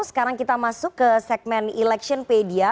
sekarang kita masuk ke segmen electionpedia